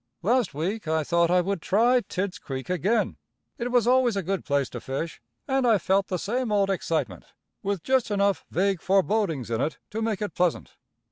Last week I thought I would try Tidd's creek again. It was always a good place to fish, and I felt the same old excitement, with just enough vague forebodings in it to make it pleasant.